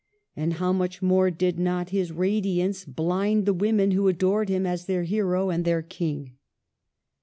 And how much more did not his radiance blind the women who adored him as their hero and their king